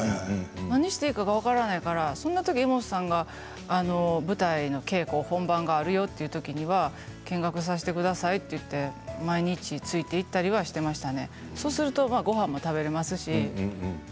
何をしていいか分からないからそんなとき柄本さんが舞台の稽古、本番があるよというときには見学させてくださいと言って毎日ついていったりはしていましたね。